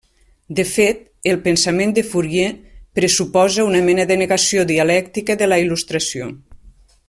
De fet, el pensament de Fourier pressuposa una mena de negació dialèctica de la Il·lustració.